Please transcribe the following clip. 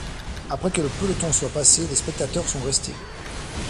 Après que le peloton soit passé, les spectateurs sont restés.